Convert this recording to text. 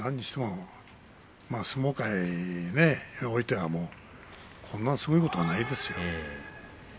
相撲界においてはこんなすごいことはないですよ。